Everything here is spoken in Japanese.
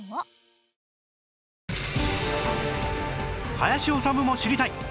林修も知りたい